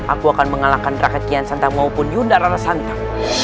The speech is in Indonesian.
aku akan mengalahkan rakyat kian santam maupun yudara santam